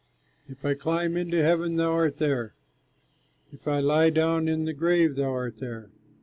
If I climb into heaven, thou art there, If I lie down in the grave, thou art there.